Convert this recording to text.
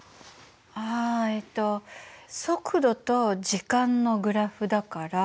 あえっと速度と時間のグラフだから。